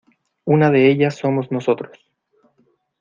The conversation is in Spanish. una de ellas somos nosotros.